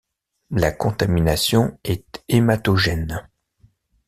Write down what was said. La contamination est hématogène.